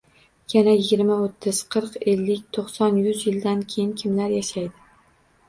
Yana yigirma-o‘ttiz, qirq-ellik, to‘qson-yuz yildan keyin kimlar yashaydi